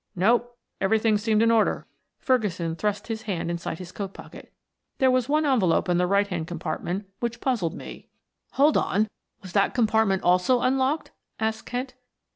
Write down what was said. "No, everything seemed in order." Ferguson thrust his hand inside his coat pocket. "There was one envelope in the right hand compartment which puzzled me " "Hold on was that compartment also unlocked?" asked Kent.